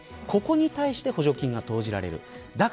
ここに対して補助金が投じられる。